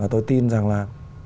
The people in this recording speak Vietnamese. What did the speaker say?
tôi tin rằng là